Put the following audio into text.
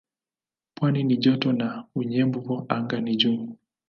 Pwani ni joto na unyevu anga ni juu.